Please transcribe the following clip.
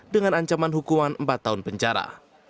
dengan ancaman hukuman empat tahun penjara